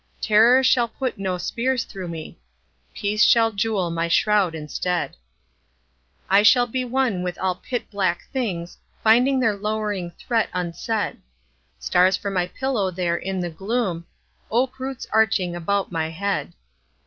Terror shall put no spears through me. Peace shall jewel my shroud instead. I shall be one with all pit black things Finding their lowering threat unsaid: Stars for my pillow there in the gloom,— Oak roots arching about my head!